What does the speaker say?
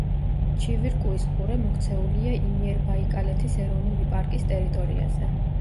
ჩივირკუის ყურე მოქცეულია იმიერბაიკალეთის ეროვნული პარკის ტერიტორიაზე.